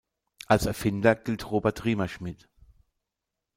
Als Erfinder gilt Robert Riemerschmid.